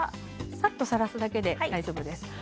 さっと、さらすだけでいいです。